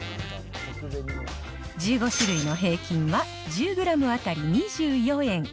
１５種類の平均は、１０グラム当たり２４円。